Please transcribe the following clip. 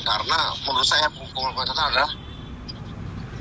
karena menurut saya hukuman pengecatan adalah